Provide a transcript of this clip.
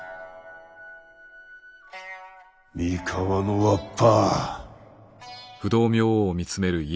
三河のわっぱ。